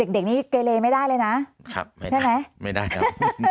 เด็กนี้เกเลไม่ได้เลยนะใช่ไหมไม่ได้ครับ